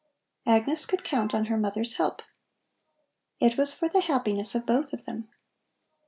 Agnes could count on her mother's help. It was for the happiness of both of them.